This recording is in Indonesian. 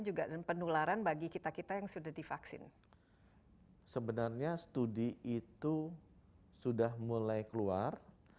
juga dan penularan bagi kita kita yang sudah divaksin sebenarnya studi itu sudah mulai keluar